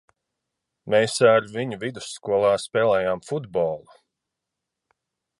Mēs ar viņu vidusskolā spēlējām futbolu.